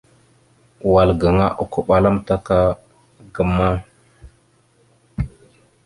Wal gaŋa okombaláamətak ŋgam a.